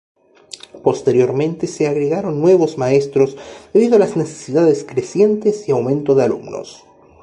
Posteriormente se agregaron nuevos maestros debido a las necesidades crecientes y aumento de alumnos.